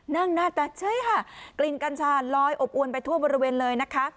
หน้าตาเฉยค่ะกลิ่นกัญชาลอยอบอวนไปทั่วบริเวณเลยนะคะ